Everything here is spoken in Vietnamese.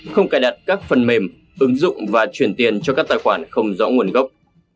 không cài đặt các phần mềm ứng dụng và chuyển tiền cho các tài khoản không rõ nguồn gốc